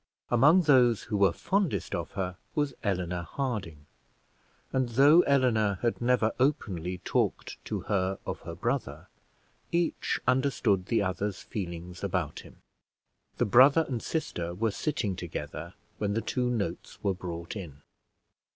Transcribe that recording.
Among those who were fondest of her was Eleanor Harding; and though Eleanor had never openly talked to her of her brother, each understood the other's feelings about him. The brother and sister were sitting together when the two notes were brought in.